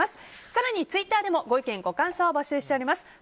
更にツイッターでもご意見、ご感想を募集しています。